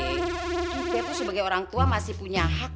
dia tuh sebagai orang tua masih punya hak